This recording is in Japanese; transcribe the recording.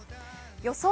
予想